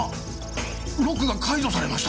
ロックが解除されました！